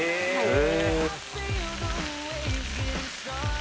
え！